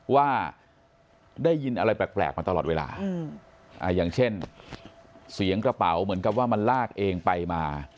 ว่าได้ยินอะไรแปลกมาตลอดเวลาอย่างเช่นเสียงกระเป๋าเหมือนกับว่ามันลากเองไปมา